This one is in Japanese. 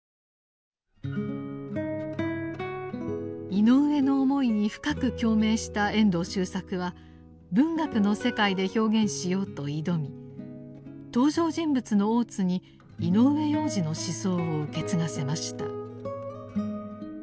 井上の思いに深く共鳴した遠藤周作は文学の世界で表現しようと挑み登場人物の大津に井上洋治の思想を受け継がせました。